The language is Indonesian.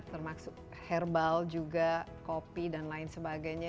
termasuk herbal juga kopi dan lain sebagainya